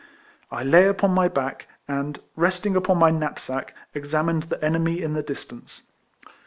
I lay upon my back, and, resting upon my knapsack, examined the enemy in the dis tance.